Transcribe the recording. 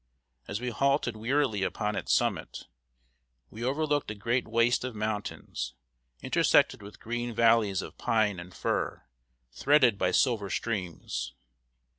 As we halted wearily upon its summit, we overlooked a great waste of mountains, intersected with green valleys of pine and fir, threaded by silver streams.